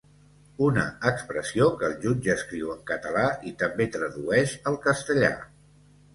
Una expressió que el jutge escriu en català i també tradueix al castellà.